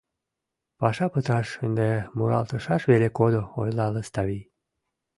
— Паша пыташ, ынде муралтышаш веле кодо, — ойла Лыставий.